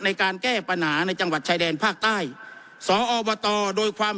ในการแก้ปัญหาในจังหวัดชายแดนภาคใต้สอบตโดยความ